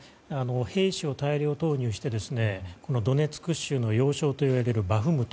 兵士を大量投入してドネツク州の要衝といわれるバフムト。